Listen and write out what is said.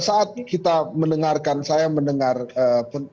saat kita mendengarkan saya mendengarkan